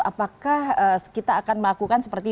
apakah kita akan melakukan seperti